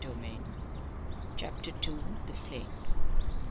VOLUME ONE, CHAPTER TWO. THE FLAME.